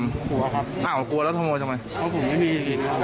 กลัวครับอ้าวกลัวแล้วขโมยทำไมเพราะผมไม่มี